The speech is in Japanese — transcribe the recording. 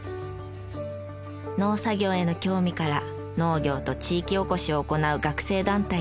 農作業への興味から農業と地域おこしを行う学生団体に参加。